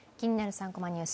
３コマニュース」